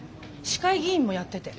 市会議員もやってて。